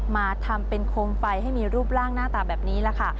มาทำเป็นโคมไฟให้มีรูปร่างหน้าตาแบบนี้แหละค่ะ